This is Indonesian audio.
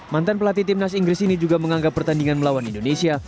mantan pelatih timnas inggris ini juga menganggap pertandingan melawan indonesia